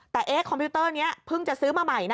แต่คอมพิวเตอร์นี้เพิ่งจะซื้อมาใหม่นะ